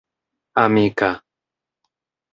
amika